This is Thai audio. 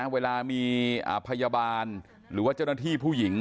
เวลามีพยาบาลหรือว่าเจ้าหน้าที่ผู้หญิง